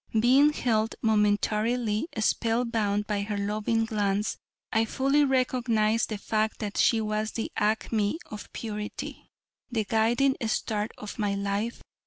Being held momentarily spellbound by her loving glance, I fully recognized the fact that she was the acme of purity the guiding star of my life.